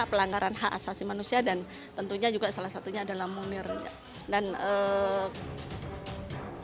pelanggaran hak asasi manusia dan tentunya juga salah satunya adalah munir